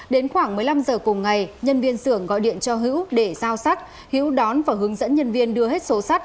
đến khoảng một mươi năm h cùng ngày nhân viên xưởng gọi điện cho hữu để giao sắt hữu đón và hướng dẫn nhân viên đưa hết số sắt